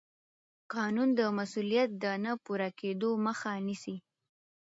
قانون د مسوولیت د نه پوره کېدو مخه نیسي.